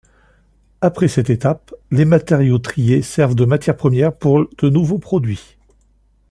Après cette étape, les matériaux triés servent de matières premières pour de nouveaux produits.